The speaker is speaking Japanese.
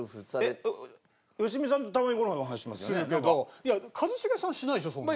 いや一茂さんはしないでしょそんな。